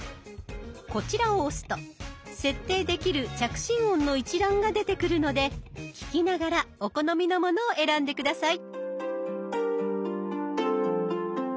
こちらを押すと設定できる着信音の一覧が出てくるので聞きながらお好みのものを選んで下さい。